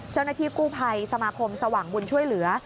เจ้าหน้าที่กู้ภัยสมาคมสว่างบุญช่วยเหลือ